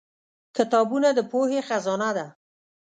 کتابونه د پوهې خزانه ده.